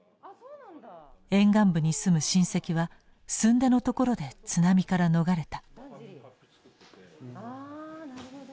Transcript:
沿岸部に住む親戚はすんでのところで津波から逃れた。